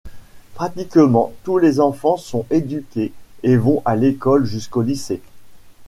Pratiquement tous les enfants sont éduqués et vont à l'école jusqu'au lycée.